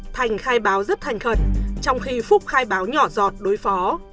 thành khai báo rất thành khẩn trong khi phúc khai báo nhỏ dọt đối phó